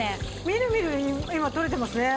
見る見る今取れてますね。